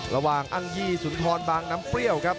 ระหว่างอังยีสุนทรบางน้ำเปรี้ยวครับ